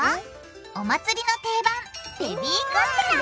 お祭りの定番ベビーカステラ！